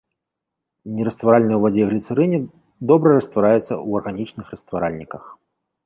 Нерастваральны ў вадзе і гліцэрыне, добра раствараецца ў арганічных растваральніках.